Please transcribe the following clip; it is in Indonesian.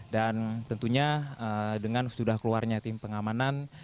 dan tentunya dengan sudah keluarnya tim pengamanan